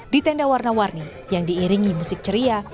di tenda warna warni yang diiringi musik ceria